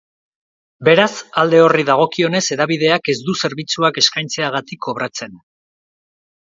Beraz, alde horri dagokionez hedabideak ez du zerbitzuak eskaintzeagatik kobratzen.